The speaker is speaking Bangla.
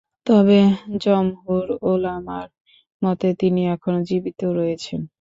তবে জমহুর উলামার মতে, তিনি এখনও জীবিত রয়েছেন।